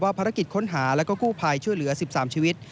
ภารกิจค้นหาแล้วก็กู้ภัยช่วยเหลือ๑๓ชีวิต